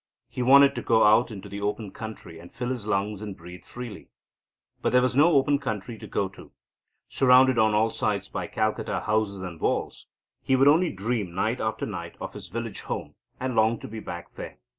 He wanted to go out into the open country and fill his lungs and breathe freely. But there was no open country to go to. Surrounded on all sides by Calcutta houses and walls, he would dream night after night of his village home, and long to be back there.